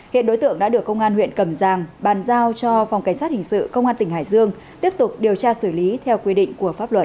hiện đối tượng đã được công an huyện cầm giang bàn giao cho phòng cảnh sát hình sự công an tỉnh hải dương tiếp tục điều tra xử lý theo quy định của pháp luật